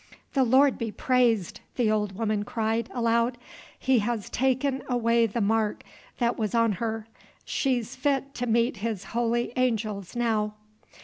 "The Lord be praised!" the old woman cried, aloud. "He has taken away the mark that was on her; she's fit to meet his holy angels now!"